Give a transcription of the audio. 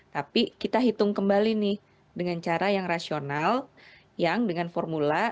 tapi kita hitung kembali nih dengan cara yang rasional yang dengan formula